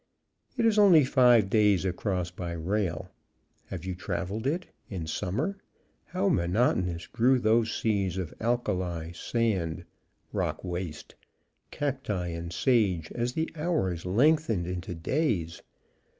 It is only five days across by rail. Have you traveled it in summer? How monotonous grew those seas of alkali, sand (rock waste), cacti and sage as the hours lengthened into days!